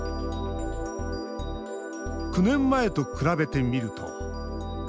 ９年前と比べてみると。